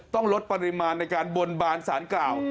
ต้องลดปริมาณในการบนบานสารกล่าว